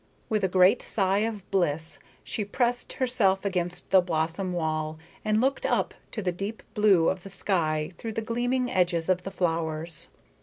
With a great sigh of bliss she pressed herself against the blossom wall and looked up to the deep blue of the sky through the gleaming edges of the flowers.